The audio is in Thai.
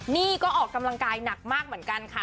นี่ก็ออกกำลังกายหนักมากเหมือนกันค่ะ